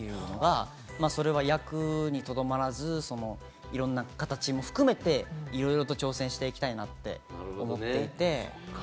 それは役にとどまらず、いろんな形も含めて、いろいろと挑戦していきたいなって思っていて。